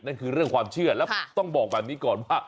นั่นคือเรื่องความเชื่อแล้วต้องบอกแบบนี้ก่อนว่า